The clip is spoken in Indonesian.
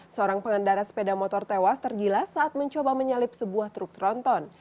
seorang pengendara sepeda motor tewas tergilas saat mencoba menyalip sebuah truk tronton